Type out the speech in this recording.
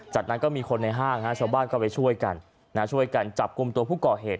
จากนั้นก็มีคนในห้างชาวบ้านก็ไปช่วยกันช่วยกันจับกลุ่มตัวผู้ก่อเหตุ